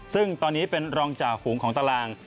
ซึ่งตอนนี้เป็นรองจ่าฝูงของตาราง